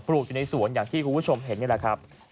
ลูกอยู่ในสวนอย่างที่คุณผู้ชมเห็นนี่แหละครับ